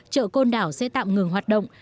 trợ côn đảo sẽ tạm ngừng hoạt động